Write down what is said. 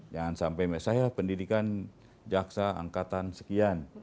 jangan sampai saya pendidikan jaksa angkatan sekian